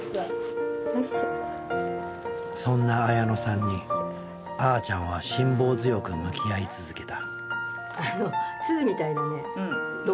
そんな綾乃さんにあーちゃんは辛抱強く向き合い続けた。